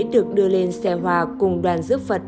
được đưa lên xe hòa cùng đoàn giúp phật